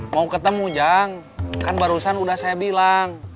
mau ketemu jang kan barusan udah saya bilang